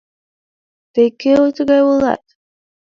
— Тый кӧ тугай улат?